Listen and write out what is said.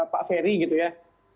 pak ferry gitu ya